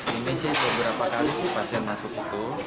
ini sih beberapa kali sih pasien masuk itu